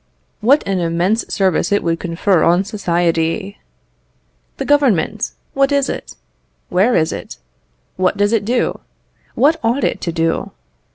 What an immense service it would confer on society! The Government! what is it? where is it? what does it do? what ought it to do?